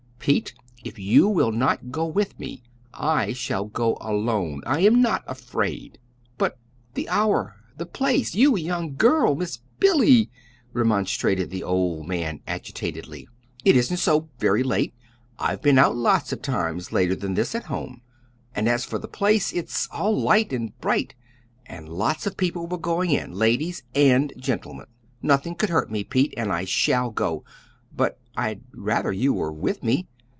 "Pete, if you will not go with me I shall go alone. I am not afraid." "But the hour the place you, a young girl! Miss Billy!" remonstrated the old man agitatedly. "It isn't so very late. I've been out lots of times later than this at home. And as for the place, it's all light and bright, and lots of people were going in ladies and gentlemen. Nothing could hurt me, Pete, and I shall go; but I'd rather you were with me.